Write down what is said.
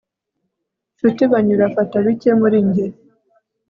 Nshuti banyura fata bike muri njye